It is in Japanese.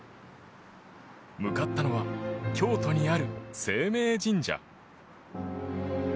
向かったのは京都にある晴明神社。